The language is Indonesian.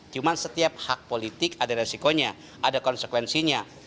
cuma setiap hak politik ada resikonya ada konsekuensinya